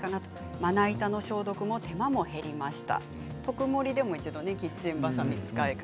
まな板の消毒の手間も減りました。